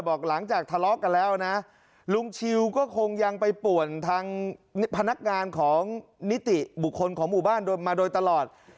บอกหลังจากทะเลาะกันแล้วนะลุงชิวก็คงยังไปป่วนทางพนักงานของนิติบุคคลของหมู่บ้านโดนมาโดยตลอด